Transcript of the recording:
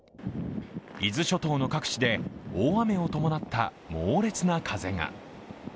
伊豆諸島の各地で大雨を伴った猛烈な風が。